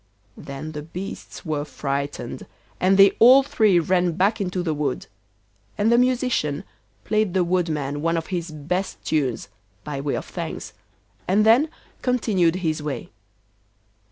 Then the beasts were frightened, and they all three ran back into the wood, and the Musician played the woodman one of his best tunes, by way of thanks, and then continued his way.